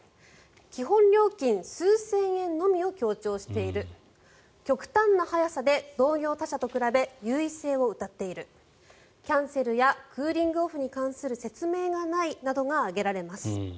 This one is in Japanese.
基本料金、数千円のみを強調している極端な早さで同業他社と比べ優位性をうたっているキャンセルやクーリングオフに関する説明がないなどが挙げられます。